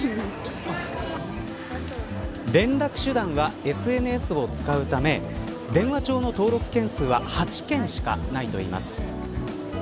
連絡手段は、ＳＮＳを使うため電話帳の登録件数は８件しかないといいます。